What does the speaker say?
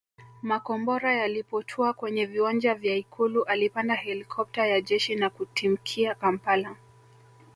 Makombora yalipotua kwenye viwanja vya Ikulu alipanda helikopta ya jeshi na kutimkia Kampala